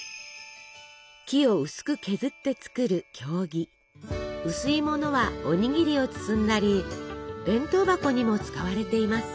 木を薄く削って作る薄いものはおにぎりを包んだり弁当箱にも使われています。